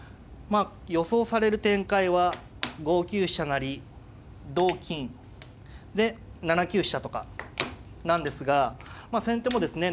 予想される展開は５九飛車成同金で７九飛車とかなんですが先手もですね